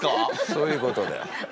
そういうことだよ。